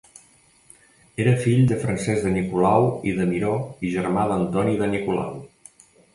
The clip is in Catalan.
Era fill de Francesc de Nicolau i de Miró i germà d'Antoni de Nicolau.